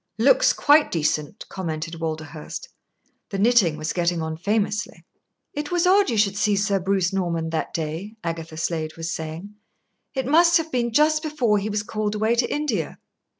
"Looks quite decent," commented Walderhurst. The knitting was getting on famously. "It was odd you should see Sir Bruce Norman that day," Agatha Slade was saying. "It must have been just before he was called away to India."